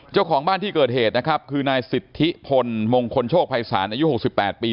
เจ้าของบ้านที่เกิดเหตุนะครับคือนายสิทธิพลมงคลโชคภัยศาลอายุ๖๘ปี